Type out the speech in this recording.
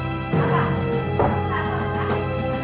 itu kan muntah kamu dasar anak tolol